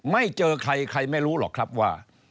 ไม่เจอใครใครไม่รู้หรอกครับว่า